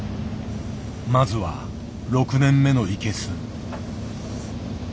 まずは６年目のイケス。